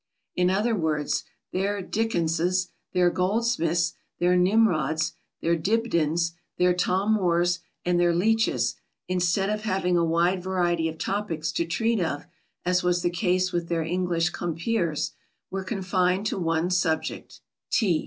In other words their Dickenses, their Goldsmiths, their Nimrods, their Dibdins, their Tom Moores, and their Leeches, instead of having a wide variety of topics to treat of, as was the case with their English compeers, were confined to one subject Tea.